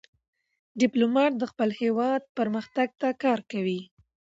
ډيپلومات د خپل هېواد پرمختګ ته کار کوي.